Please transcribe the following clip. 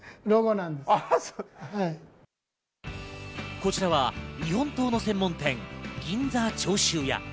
こちらは日本刀の専門店・銀座長州屋。